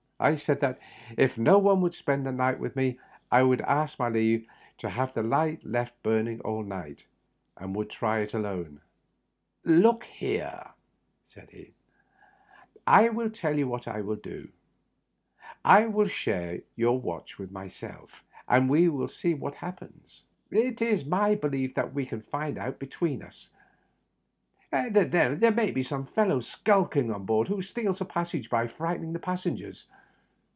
I said that if no one would spend the night with me I would ask leave to have the light left burning all night, and would try it alone. " Look here," said he, " I will tell you what I will do. I will share your watch myseK, and we will see what hap Digitized by VjOOQIC 42 THE UPPER BERTH. pens. It is my belief that we can find out between us. There may be some fellow skulking on board, who steals a passage by frightening the passengers.